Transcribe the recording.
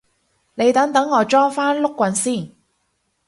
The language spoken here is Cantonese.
你等等我裝返碌棍先